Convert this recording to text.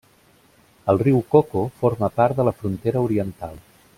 El riu Coco forma part de la frontera oriental.